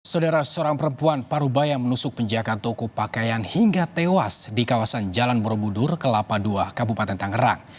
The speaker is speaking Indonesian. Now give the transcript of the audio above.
saudara seorang perempuan parubaya menusuk penjaga toko pakaian hingga tewas di kawasan jalan borobudur kelapa ii kabupaten tangerang